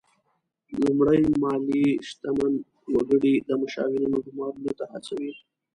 لوړې مالیې شتمن وګړي د مشاورینو ګمارلو ته هڅوي.